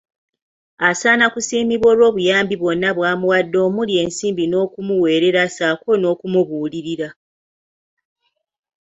Asaana kusiimibwa olw'obuyambi bwonna bwamuwadde omuli ensimbi n'okumuweerera ssaako n'okumubuulirira.